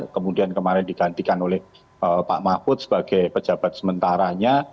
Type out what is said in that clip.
kemudian kemarin digantikan oleh pak mahfud sebagai pejabat sementaranya